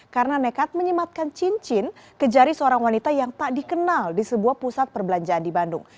karena nekat menyematkan cincin ke jari seorang wanita yang tak dikenal di sebuah pusat perbelanjaan di bandung